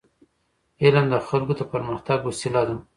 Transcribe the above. علم د خلکو د پرمختګ وسیله ده.